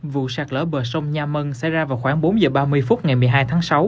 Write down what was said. vụ sạt lỡ bờ sông nha mân xảy ra vào khoảng bốn h ba mươi phút ngày một mươi hai tháng sáu